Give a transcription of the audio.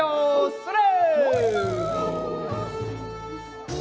それ！